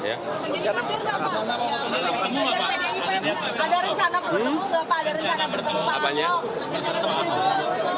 ada rencana bertemu pak ahok